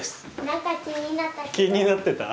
気になってた？